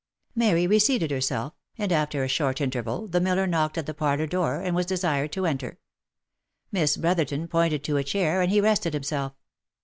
Mary reseated herself, and, after a short interval, the miller knocked at the parlour door, and was desired to enter. j Miss Brotherton pointed to a chair, and he rested himself.